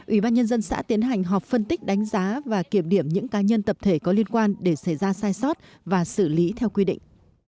ủy ban nhân dân xã tiến hành họp phân tích đánh giá và kiểm điểm những cá nhân tập thể có liên quan để xảy ra sai sót và xử lý theo quy định